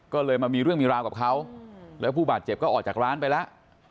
ก็เลยมามีเรื่องมีราวกับเขาแล้วผู้บาดเจ็บก็ออกจากร้านไปแล้ว